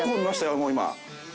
もう今。